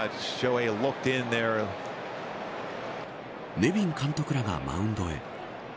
ネビン監督らがマウンドへ。